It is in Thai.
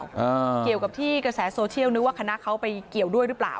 อ่าเกี่ยวกับที่กระแสโซเชียลนึกว่าคณะเขาไปเกี่ยวด้วยหรือเปล่า